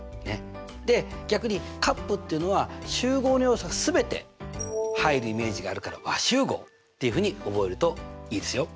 で逆に∪っていうのは集合の要素が全て入るイメージがあるから和集合っていうふうに覚えるといいですよ。